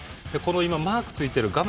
マークついている画面